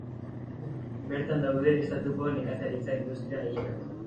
Bertan daude estatuko nekazaritza-industria gehienak.